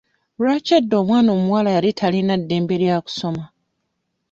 Lwaki edda omwana omuwala yali talina ddembe lya kusoma?